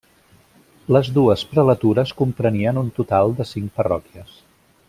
Les dues prelatures comprenien un total de cinc parròquies.